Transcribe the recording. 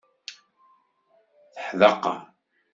Teḥdaqer.